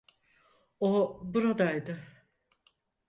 O buradaydı.